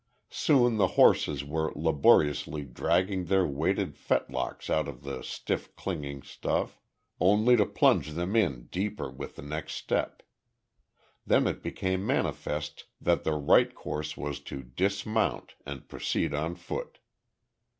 Soon the horses were laboriously dragging their weighted fetlocks out of the stiff, clinging stuff only to plunge them in deeper with the next step. Then it became manifest that the right course was to dismount, and proceed on foot.